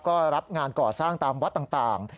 ก็รับงานก่อสร้างตามวัดต่าง